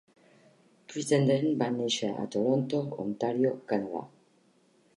Crittenden va néixer a Toronto, Ontario, Canadà.